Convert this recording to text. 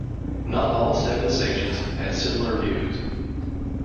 Not all seven sages had similar views.